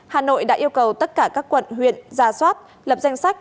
hà nội đã yêu cầu tất cả các quận huyện ra soát lập danh sách